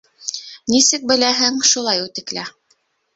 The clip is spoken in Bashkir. Нисек беләһең, шулай үтеклә!